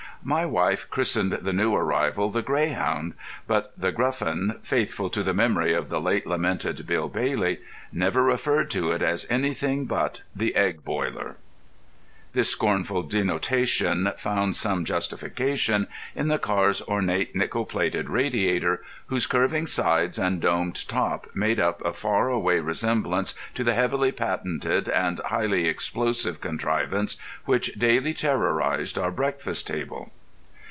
My wife christened the new arrival The Greyhound, but The Gruffin, faithful to the memory of the late lamented Bill Bailey, never referred to it as anything but The Egg Boiler. This scornful denotation found some justification in the car's ornate nickel plated radiator, whose curving sides and domed top made up a far away resemblance to the heavily patented and highly explosive contrivance which daily terrorised our breakfast table.